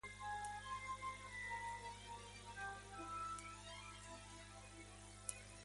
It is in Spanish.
Es autor, además, de dos libros sobre improvisación.